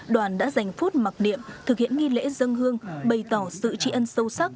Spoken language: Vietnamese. đoàn đã dành phút mặc điệm thực hiện nghi lễ dân hương bày tỏ sự tri ân sâu sắc